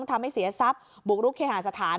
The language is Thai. ทำให้เสียทรัพย์บุกรุกเคหาสถาน